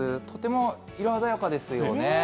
とても色鮮やかですよね。